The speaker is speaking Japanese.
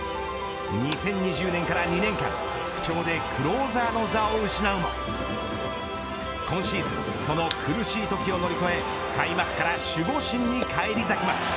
２０２０年から２年間不調でクローザーの座を失うも今シーズンその苦しい時を乗り越え開幕から守護神に返り咲きます。